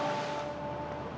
kau akan jumpa dia bu